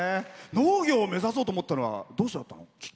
農業を目指そうと思ったのはどうしてだったの？